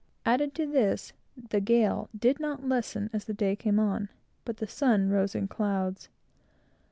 Add to this, the gale did not lessen as the day came on, but the sun rose in clouds.